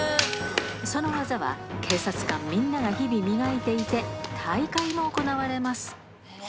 その技は警察官みんなが日々磨いていて、大会も行われます。